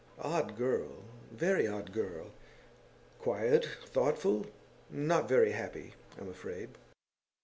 Odd girl; very odd girl! Quiet, thoughtful not very happy, I'm afraid.